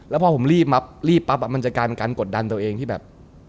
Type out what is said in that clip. แล้วพอผมรีบปั๊บรีบปั๊บมันจะกลายเป็นการกดดันตัวเองที่แบบ